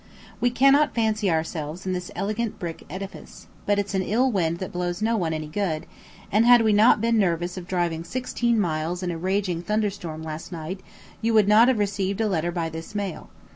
We cannot fancy ourselves in this elegant brick edifice; but it's an ill wind that blows no one any good, and had we not been nervous of driving sixteen miles in a raging thunderstorm last night you would not have received a letter by this mail.